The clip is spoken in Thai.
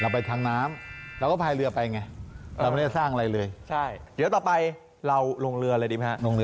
เราไปทางน้ำเราก็พลายเรือไปไง